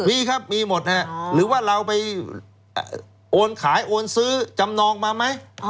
มีครับมีหมดฮะหรือว่าเราไปโอนขายโอนซื้อจำนองมาไหม